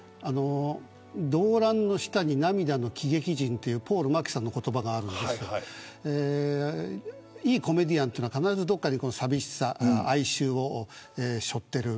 ドーランの下に涙の喜劇人というポール牧さんの言葉があるんですけどいいコメディアンは必ずどこかに寂しさ、哀愁をしょっている。